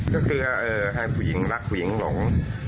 ก็คือให้ผู้หญิงรักผู้หญิงหลง